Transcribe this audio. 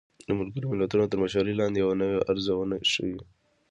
د ملګرو ملتونو تر مشرۍ لاندې يوه نوې ارزونه ښيي